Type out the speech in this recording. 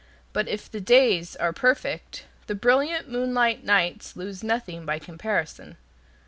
But if the days are perfect, the brilliant moonlight nights lose nothing by comparison.